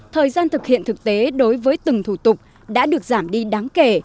thời gian thực hiện thực tế đối với từng thủ tục đã được giảm đi đáng kể